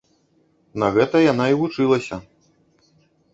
На гэта яна і вучылася.